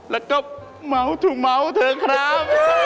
แล้วก็เม้าท์ทุกเธอคราว